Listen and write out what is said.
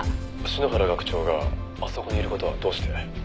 「篠原学長があそこにいる事はどうして？」